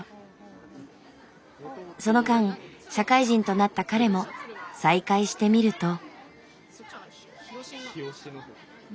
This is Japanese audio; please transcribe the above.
その間社会人となった彼も再会してみると。